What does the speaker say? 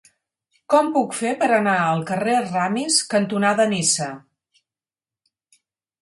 Com ho puc fer per anar al carrer Ramis cantonada Niça?